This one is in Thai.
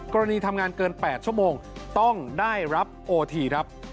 กรณีทำงานเกิน๘ชั่วโมงต้องได้รับโอทีครับ